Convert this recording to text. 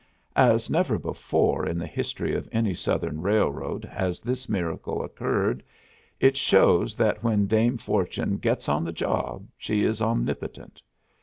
As never before in the history of any Southern railroad has this miracle occurred, it shows that when Dame Fortune gets on the job she is omnipotent.